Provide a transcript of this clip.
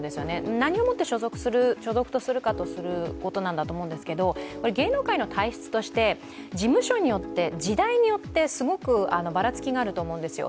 何を持って所属とするかということなんだと思うんですけれど芸能界の体質として、事務所によって時代によって、すごくばらつきがあると思うんですよ。